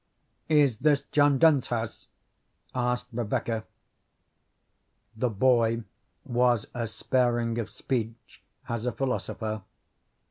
"Is this John Dent's house?" asked Rebecca. The boy was as sparing of speech as a philosopher.